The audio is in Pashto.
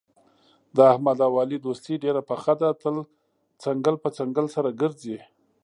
د احمد او علي دوستي ډېره پخه ده، تل څنګل په څنګل سره ګرځي.